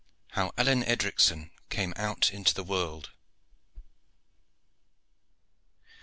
HOW ALLEYNE EDRICSON CAME OUT INTO THE WORLD.